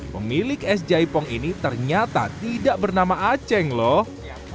pemilik es jaipom ini ternyata tidak bernama acek lho